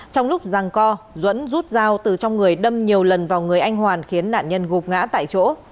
trong lúc rằng co duẫn rút dao từ trong người đâm nhiều lần vào người anh hoàn khiến nạn nhân gục ngã tại chỗ